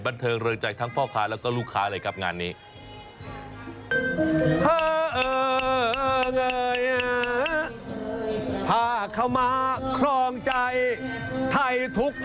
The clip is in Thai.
บันเทิงเรืองใจทั้งพ่อค้าแล้วก็ลูกค้าเลยครับงานนี้